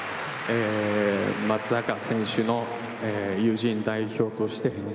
えー、松坂選手の友人代表として。